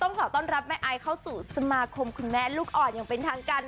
ขอต้อนรับแม่ไอเข้าสู่สมาคมคุณแม่ลูกอ่อนอย่างเป็นทางการ